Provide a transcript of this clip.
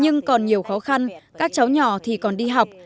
nhưng còn nhiều khó khăn các cháu nhỏ thì còn đi học